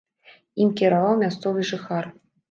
Ім кіраваў мясцовы жыхар.